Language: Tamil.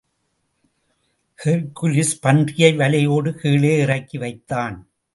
ஹெர்க்குலிஸ் பன்றியை வலையோடு கீழே இறக்கி வைத்தான்.